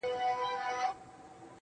دا نو ژوند سو درد یې پرېږده او یار باسه.